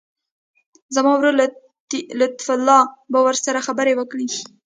زما ورور لطیف الله به ورسره خبرې وکړي.